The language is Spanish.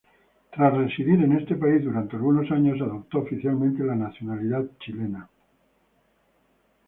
Tras residir en este país durante algunos años, adoptó oficialmente la nacionalidad chilena.